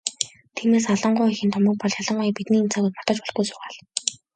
Тиймээс, Алан гоо эхийн домог бол ялангуяа бидний энэ цаг үед мартаж болохгүй сургаал.